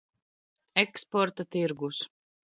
Eksporta tirgus.